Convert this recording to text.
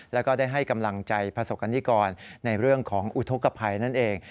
แล้วก็ได้ให้กำลังใจประสบกรณิกรในเรื่องของอุทธกภัยนั่นเอง